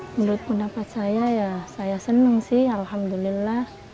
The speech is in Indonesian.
menurut pendapat saya ya saya senang sih alhamdulillah